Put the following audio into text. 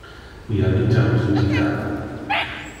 Mi amita nos visitava.